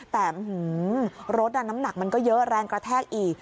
แต่รถน้ำหนักมันก็เยอะแรงกระแทกอีก